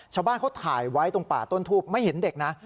ชาวบ้านเขาถ่ายไว้ตรงป่าต้นทูบไม่เห็นเด็กนะ